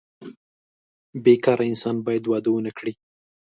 بې کاره انسان باید واده ونه کړي.